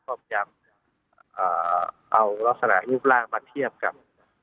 ก็พยายามเอาลักษณะรูปร่างมาเทียบกับ